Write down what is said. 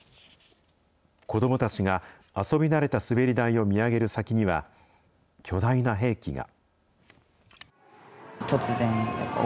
子どもたちが遊び慣れた滑り台を見上げる先には、巨大な兵器が。